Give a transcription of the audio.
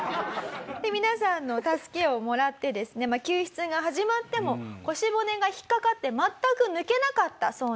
皆さんの助けをもらってですね救出が始まっても腰骨が引っかかって全く抜けなかったそうなんです。